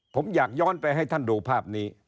ผมอยากย้อนไปให้ท่านดูภาพนี้